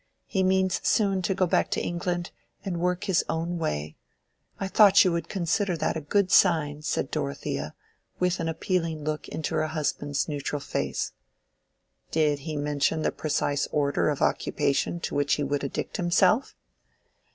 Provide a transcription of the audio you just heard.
He means soon to go back to England, and work his own way. I thought you would consider that a good sign," said Dorothea, with an appealing look into her husband's neutral face. "Did he mention the precise order of occupation to which he would addict himself?"